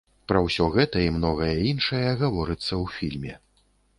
Пра ўсё гэта і многае іншае гаворыцца ў фільме.